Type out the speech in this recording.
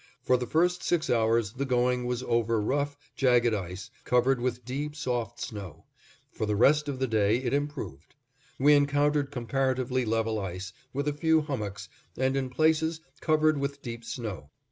For the first six hours the going was over rough, jagged ice, covered with deep, soft snow; for the rest of the day it improved. We encountered comparatively level ice, with a few hummocks, and in places covered with deep snow.